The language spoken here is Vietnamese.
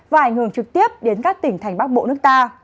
và ảnh hưởng trực tiếp đến các tỉnh thành bắc bộ nước ta